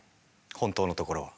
本当のところは？